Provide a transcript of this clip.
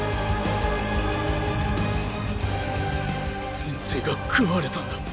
戦鎚が食われたんだ。